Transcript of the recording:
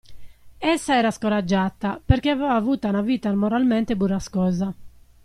Essa era scoraggiata, perché aveva avuta una vita moralmente burrascosa.